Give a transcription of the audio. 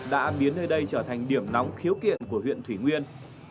đã biến nơi đây trở thành điểm nóng khiếu kiện của huyện thủy nguyên